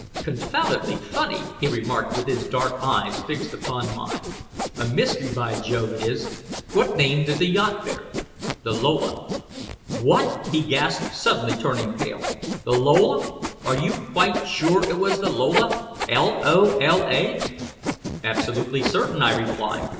"Confoundedly funny!" he remarked with his dark eyes fixed upon mine. "A mystery, by Jove, it is! What name did the yacht bear?" "The Lola." "What!" he gasped, suddenly turning pale. "The Lola? Are you quite sure it was the Lola L O L A?" "Absolutely certain," I replied.